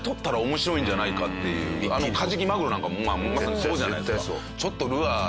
カジキマグロなんかもまさにそうじゃないですか。